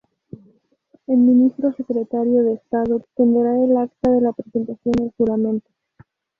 El ministro Secretario de Estado extenderá el acta de la presentación del juramento.